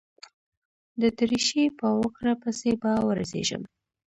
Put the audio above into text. د درېشۍ په وکړه پسې به ورسېږم.